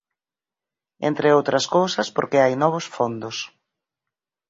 Entre outras cousas porque hai novos fondos.